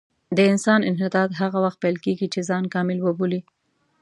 د انسان انحطاط هغه وخت پیل کېږي چې ځان کامل وبولي.